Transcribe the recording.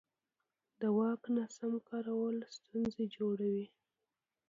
د واک ناسم کارول ستونزې جوړوي